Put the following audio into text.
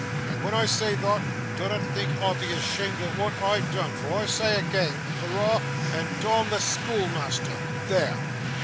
And when I say thot, dinnot think I be asheamed of waa't I've deane, for I say again, Hurrah! and dom the schoolmeasther. There!